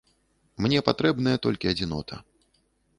Мне патрэбная толькі адзінота.